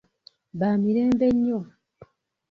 Baamirembe nnyo.